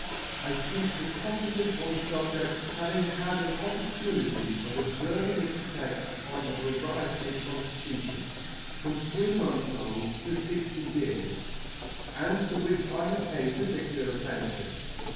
I fpeak with confidence on the fubjedt, having had an oppor tunity [ >55 1 tunity of obferving its effeds upon a variety of conftitutions, from three months old to fixty years ; and to which I have paid particular attention.